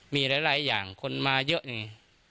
มีหลายอย่างคนมาเยอะอย่างนี้